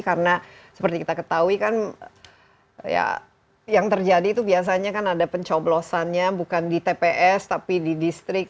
karena seperti kita ketahui kan ya yang terjadi itu biasanya kan ada pencoblosannya bukan di tps tapi di distrik